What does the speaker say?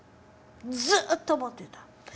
ずっと思ってた。